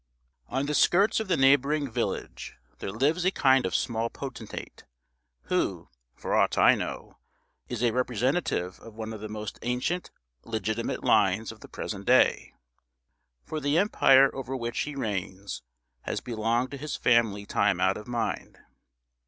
On the skirts of the neighbouring village there lives a kind of small potentate, who, for aught I know, is a representative of one of the most ancient legitimate lines of the present day; for the empire over which he reigns has belonged to his family time out of mind.